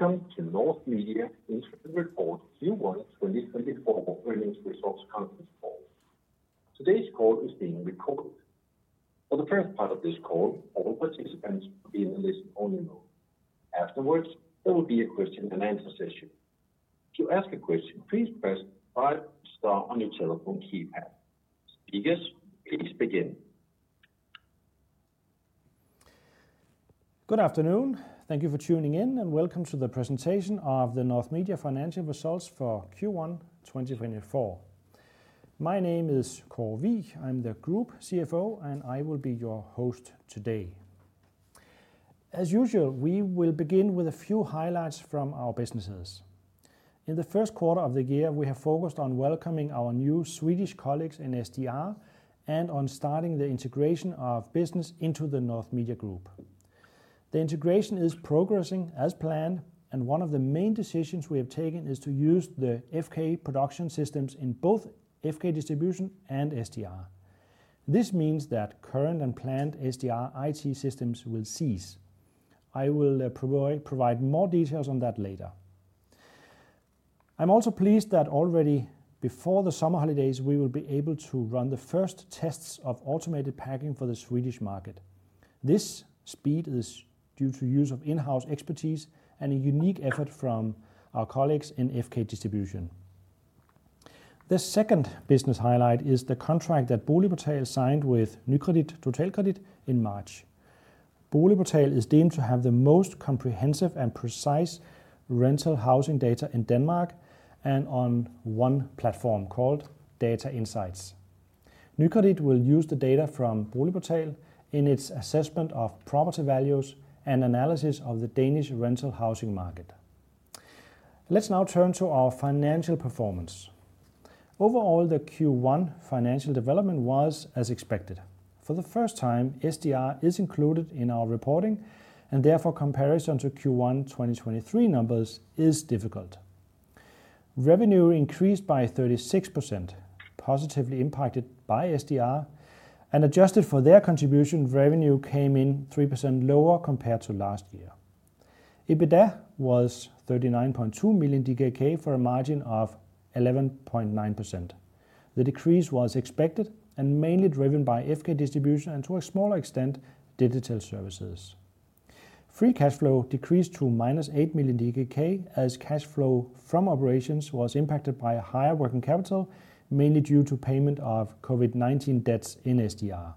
Welcome to North Media Interim Report Q1 2024 Earnings Results Conference Call. Today's call is being recorded. For the first part of this call, all participants will be in a listen-only mode. Afterwards, there will be a question and answer session. To ask a question, please press five star on your telephone keypad. Speakers, please begin. Good afternoon. Thank you for tuning in, and welcome to the presentation of the North Media financial results for Q1 2024. My name is Kåre Wigh. I'm the group CFO, and I will be your host today. As usual, we will begin with a few highlights from our businesses. In the first quarter of the year, we have focused on welcoming our new Swedish colleagues in SDR and on starting the integration of business into the North Media Group. The integration is progressing as planned, and one of the main decisions we have taken is to use the FK production systems in both FK Distribution and SDR. This means that current and planned SDR IT systems will cease. I will provide more details on that later. I'm also pleased that already before the summer holidays, we will be able to run the first tests of automated packing for the Swedish market. This speed is due to use of in-house expertise and a unique effort from our colleagues in FK Distribution. The second business highlight is the contract that BoligPortal signed with Nykredit Totalkredit in March. BoligPortal is deemed to have the most comprehensive and precise rental housing data in Denmark and on one platform called Data Insights. Nykredit will use the data from BoligPortal in its assessment of property values and analysis of the Danish rental housing market. Let's now turn to our financial performance. Overall, the Q1 financial development was as expected. For the first time, SDR is included in our reporting, and therefore, comparison to Q1 2023 numbers is difficult. Revenue increased by 36%, positively impacted by SDR, and adjusted for their contribution, revenue came in 3% lower compared to last year. EBITDA was 39.2 million DKK, for a margin of 11.9%. The decrease was expected and mainly driven by FK Distribution and, to a smaller extent, Digital Services. Free cash flow decreased to -8 million DKK, as cash flow from operations was impacted by a higher working capital, mainly due to payment of COVID-19 debts in SDR.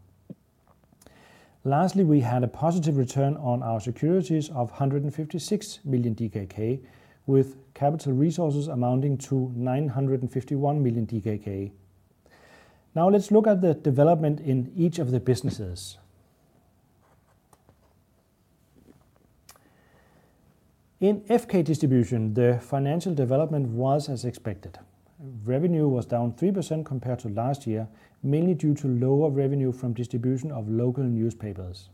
Lastly, we had a positive return on our securities of 156 million DKK, with capital resources amounting to 951 million DKK. Now, let's look at the development in each of the businesses. In FK Distribution, the financial development was as expected. Revenue was down 3% compared to last year, mainly due to lower revenue from distribution of local newspapers.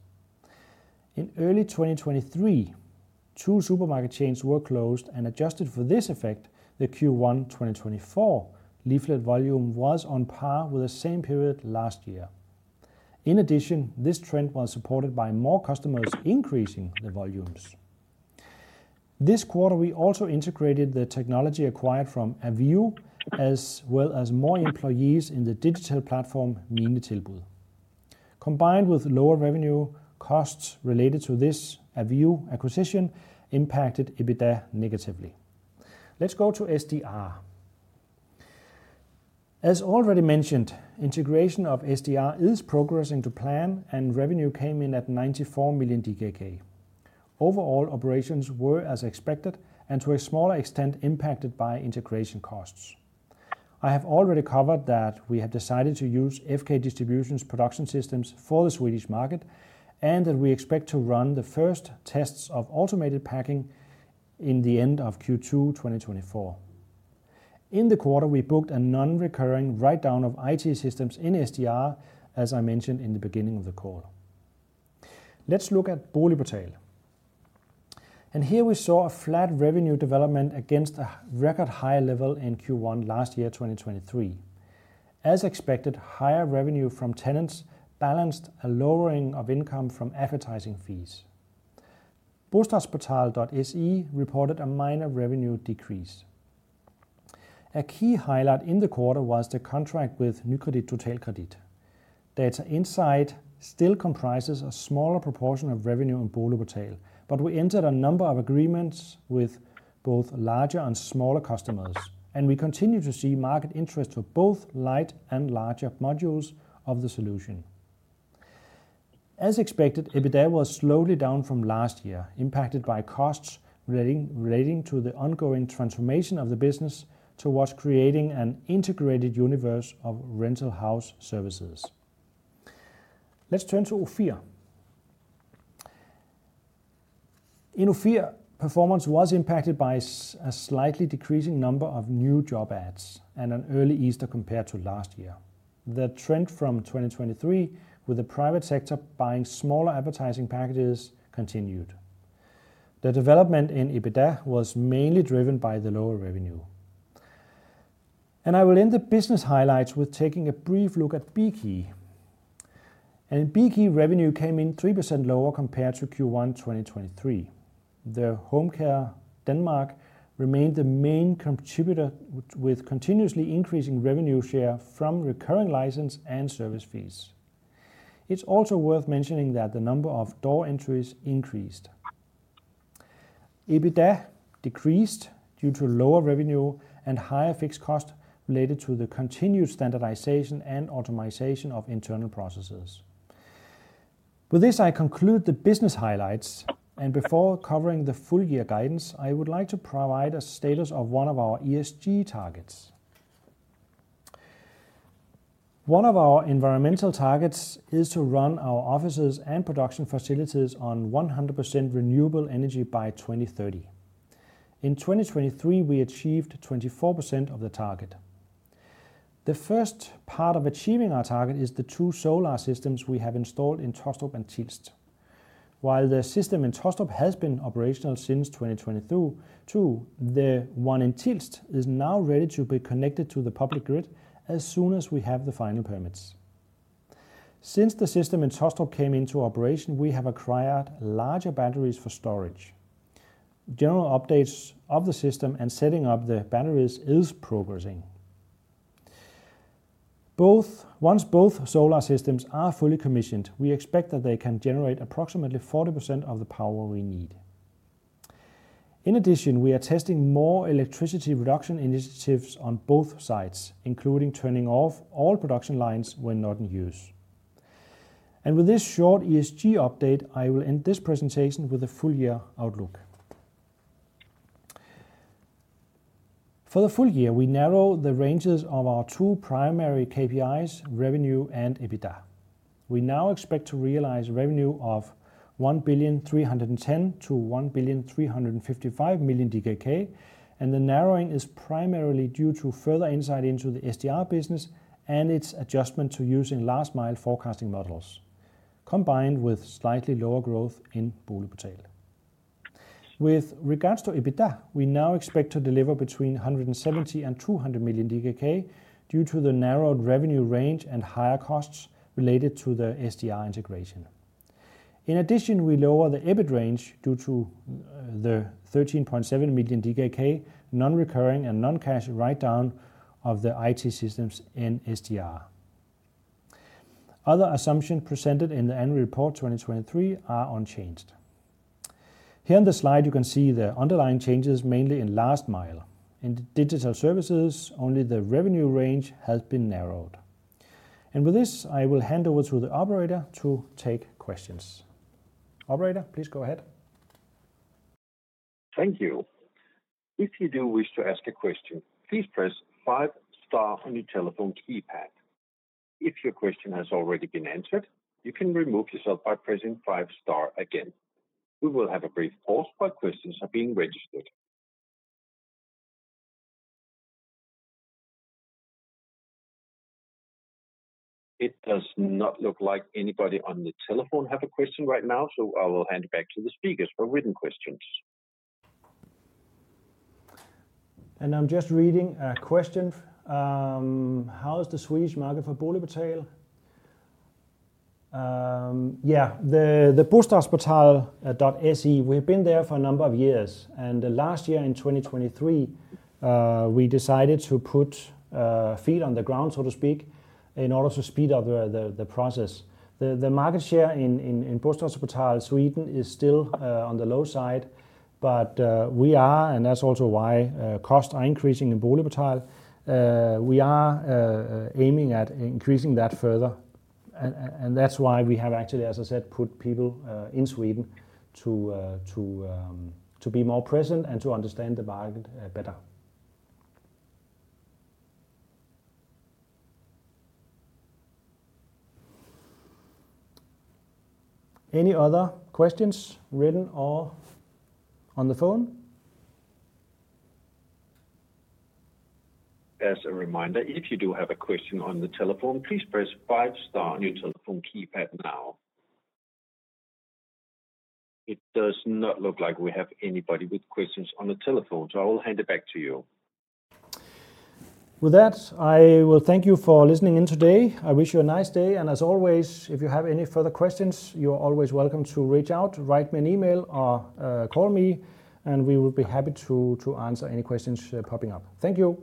In early 2023, two supermarket chains were closed and adjusted for this effect, the Q1 2024 leaflet volume was on par with the same period last year. In addition, this trend was supported by more customers increasing their volumes. This quarter, we also integrated the technology acquired from Aviio, as well as more employees in the digital platform, MineTilbud. Combined with lower revenue, costs related to this Aviio acquisition impacted EBITDA negatively. Let's go to SDR. As already mentioned, integration of SDR is progressing to plan, and revenue came in at 94 million DKK. Overall, operations were as expected and to a smaller extent, impacted by integration costs. I have already covered that we have decided to use FK Distribution's production systems for the Swedish market and that we expect to run the first tests of automated packing in the end of Q2 2024. In the quarter, we booked a non-recurring write-down of IT systems in SDR, as I mentioned in the beginning of the call. Let's look at BoligPortal, and here we saw a flat revenue development against a record high level in Q1 last year, 2023. As expected, higher revenue from tenants balanced a lowering of income from advertising fees. Bostadsportal.se reported a minor revenue decrease. A key highlight in the quarter was the contract with Nykredit Totalkredit. Data Insights still comprises a smaller proportion of revenue on BoligPortal, but we entered a number of agreements with both larger and smaller customers, and we continue to see market interest for both light and larger modules of the solution. As expected, EBITDA was slightly down from last year, impacted by costs relating to the ongoing transformation of the business towards creating an integrated universe of rental house services. Let's turn to Ofir. In Ofir, performance was impacted by a slightly decreasing number of new job ads and an early Easter compared to last year. The trend from 2023, with the private sector buying smaller advertising packages, continued. The development in EBITDA was mainly driven by the lower revenue. I will end the business highlights with taking a brief look at Bekey. Bekey revenue came in 3% lower compared to Q1 2023. Bekey remained the main contributor, with continuously increasing revenue share from recurring license and service fees. It's also worth mentioning that the number of door entries increased. EBITDA decreased due to lower revenue and higher fixed cost related to the continued standardization and automation of internal processes. With this, I conclude the business highlights, and before covering the full-year guidance, I would like to provide a status of one of our ESG targets. One of our environmental targets is to run our offices and production facilities on 100% renewable energy by 2030. In 2023, we achieved 24% of the target. The first part of achieving our target is the two solar systems we have installed in Taastrup and Tilst. While the system in Taastrup has been operational since 2022, too, the one in Tilst is now ready to be connected to the public grid as soon as we have the final permits. Since the system in Taastrup came into operation, we have acquired larger batteries for storage. General updates of the system and setting up the batteries is progressing. Once both solar systems are fully commissioned, we expect that they can generate approximately 40% of the power we need. In addition, we are testing more electricity reduction initiatives on both sides, including turning off all production lines when not in use. And with this short ESG update, I will end this presentation with the full year outlook. For the full year, we narrow the ranges of our two primary KPIs, revenue and EBITDA. We now expect to realize revenue of 1.31 billion-1.355 billion, and the narrowing is primarily due to further insight into the SDR business and its adjustment to using Last Mile forecasting models, combined with slightly lower growth in BoligPortal. With regards to EBITDA, we now expect to deliver between 170 million and 200 million DKK, due to the narrowed revenue range and higher costs related to the SDR integration. In addition, we lower the EBIT range due to the 13.7 million DKK, non-recurring and non-cash write-down of the IT systems in SDR. Other assumptions presented in the annual report 2023 are unchanged. Here on the slide, you can see the underlying changes, mainly in Last Mile. In Digital Services, only the revenue range has been narrowed. With this, I will hand over to the operator to take questions. Operator, please go ahead. Thank you. If you do wish to ask a question, please press five star on your telephone keypad. If your question has already been answered, you can remove yourself by pressing five star again. We will have a brief pause while questions are being registered. It does not look like anybody on the telephone have a question right now, so I will hand it back to the speakers for written questions. I'm just reading a question. How is the Swedish market for BoligPortal? Yeah, the BostadsPortal.se, we've been there for a number of years, and last year, in 2023, we decided to put feet on the ground, so to speak, in order to speed up the process. The market share in BostadsPortal, Sweden, is still on the low side, but we are, and that's also why costs are increasing in BoligPortal. We are aiming at increasing that further, and that's why we have actually, as I said, put people in Sweden to be more present and to understand the market better. Any other questions, written or on the phone? As a reminder, if you do have a question on the telephone, please press five star on your telephone keypad now. It does not look like we have anybody with questions on the telephone, so I will hand it back to you. With that, I will thank you for listening in today. I wish you a nice day, and as always, if you have any further questions, you're always welcome to reach out, write me an email or call me, and we will be happy to answer any questions popping up. Thank you.